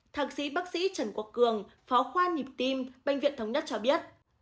thạc sĩ bác sĩ trần quốc cường phó khoa nhịp tim bệnh viện thống nhất cho biết